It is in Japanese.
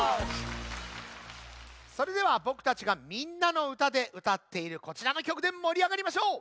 それではぼくたちが「みんなのうた」でうたっているこちらのきょくでもりあがりましょう。